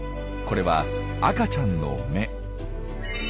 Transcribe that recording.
これは赤ちゃんの目。